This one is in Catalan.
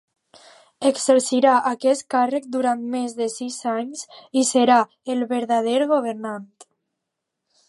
Exercirà aquest càrrec durant més de sis anys i serà el verdader governant.